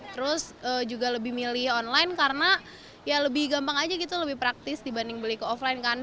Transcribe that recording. terus juga lebih milih online karena ya lebih gampang aja gitu lebih praktis dibanding beli ke offline kan